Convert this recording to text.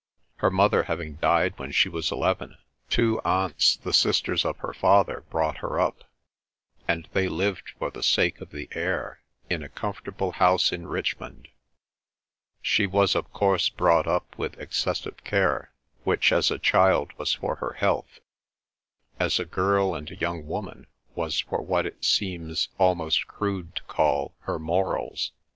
Her mother having died when she was eleven, two aunts, the sisters of her father, brought her up, and they lived for the sake of the air in a comfortable house in Richmond. She was of course brought up with excessive care, which as a child was for her health; as a girl and a young woman was for what it seems almost crude to call her morals.